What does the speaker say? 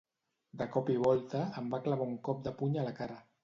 De cop i volta, em va clavar un cop de puny a la cara.